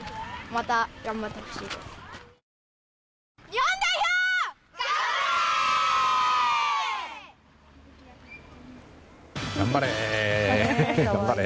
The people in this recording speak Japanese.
日本代表、頑張れ！